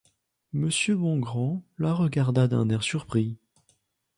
Monsieur Bongrand la regarda d’un air surpris.